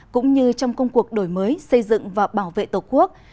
cũng như trong công cuộc đổi mới xây dựng và bảo vệ tổ quốc